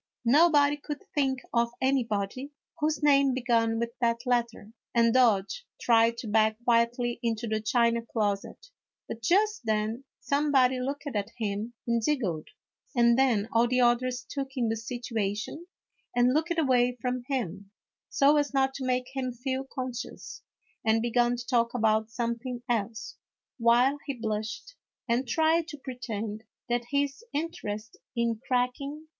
No body could think of anybody whose name began with that letter, and Dodge tried to back quietly into the china closet, but just then somebody looked at him and giggled, and then all the others took in the situation and looked away from him, so as not to make him feel conscious, and began to talk about something else, while he blushed and tried to pretend that his interest in cracking 242 A HALLOWE'EN PARTV.